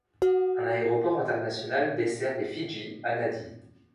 Un aéroport international dessert les Fidji, à Nadi.